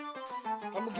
astaga apa yang terjadi